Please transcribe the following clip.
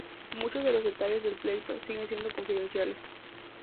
Muchos de los detalles del pleito siguen siendo confidenciales.